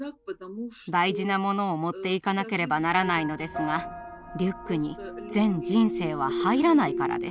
大事なものを持っていかなければならないのですがリュックに全人生は入らないからです。